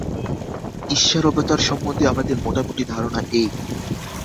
ঈশ্বরাবতার-সম্বন্ধে আমাদের মোটামুটি ধারণা এই।